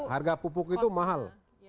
harga pupuk itu mahal